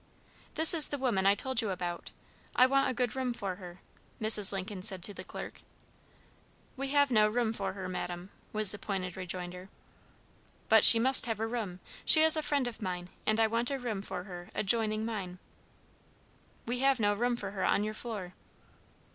"This is the woman I told you about. I want a good room for her," Mrs. Lincoln said to the clerk. "We have no room for her, madam," was the pointed rejoinder. "But she must have a room. She is a friend of mine, and I want a room for her adjoining mine." "We have no room for her on your floor."